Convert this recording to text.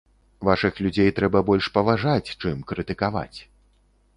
Вашых людзей трэба больш паважаць, чым крытыкаваць.